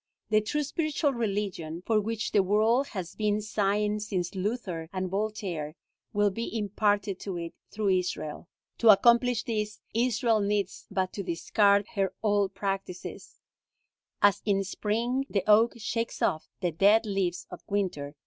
The true spiritual religion, for which the world has been sighing since Luther and Voltaire, will be imparted to it through Israel. To accomplish this, Israel needs but to discard her old practices, as in spring the oak shakes off the dead leaves of winter.